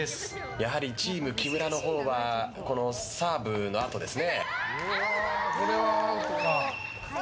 やはりチーム木村のほうはサーブのあとですね。